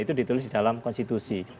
itu ditulis dalam konstitusi